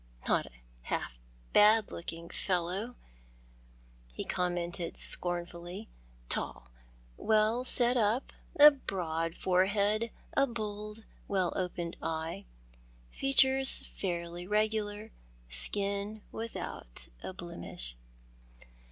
" Not half a bad looking fellow," lie commented scornfully, " tall, well set up, a broad forehead, a bold, well opened eye, features fairly regular, skin without a blemish."